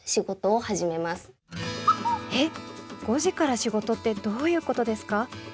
５時から仕事ってどういうことですか？